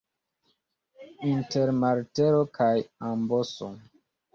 Inter martelo kaj amboso.